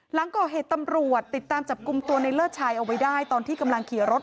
หลังก่อเหตุตำรวจติดตามจับกลุ่มตัวในเลิศชายเอาไว้ได้ตอนที่กำลังขี่รถ